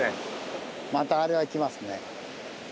またあれは来ますね。